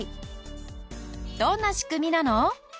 どんな仕組みなの？